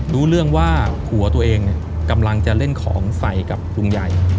รู้เรื่องว่าผัวตัวเองกำลังจะเล่นของใส่กับลุงใหญ่